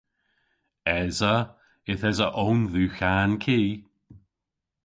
Esa. Yth esa own dhywgh a'n ki.